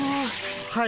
はい。